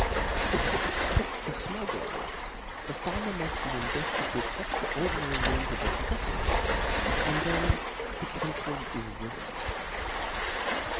To put B o o » a ftop to fmogglingt the farmer muft be invefted (^™' with extraordinary means of oppreffing, and then and 10. the country is ruined.